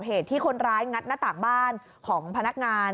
เหตุที่คนร้ายงัดหน้าต่างบ้านของพนักงาน